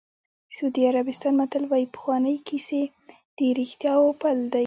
د سعودي عربستان متل وایي پخوانۍ کیسې د رښتیاوو پل دی.